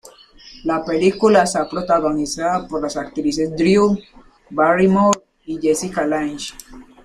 La película está protagonizada por las actrices Drew Barrymore y Jessica Lange.